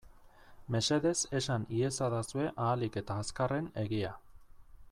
Mesedez esan iezadazue ahalik eta azkarren egia.